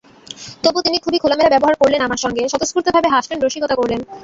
তবু তিনি খুবই খোলামেলা ব্যবহার করলেন আমার সঙ্গে—স্বতঃস্ফূর্তভাবে হাসলেন, রসিকতা করলেন।